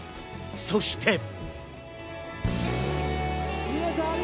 そして。